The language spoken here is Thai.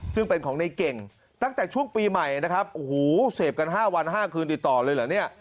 ซึ่งเป็นของในเก่งตั้งแต่ช่วงปีใหม่นะครับโอ้โหเสพกัน๕วัน๕คืนติดต่อเลยเหรอเนี่ย